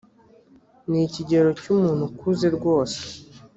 ni ikigero cy umuntu ukuze rwose